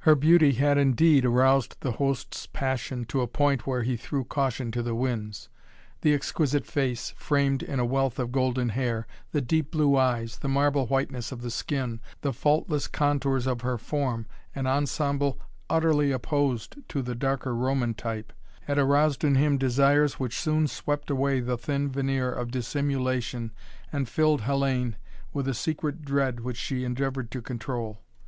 Her beauty had indeed aroused the host's passion to a point where he threw caution to the winds. The exquisite face, framed in a wealth of golden hair, the deep blue eyes, the marble whiteness of the skin, the faultless contours of her form an ensemble utterly opposed to the darker Roman type had aroused in him desires which soon swept away the thin veneer of dissimulation and filled Hellayne with a secret dread which she endeavored to control.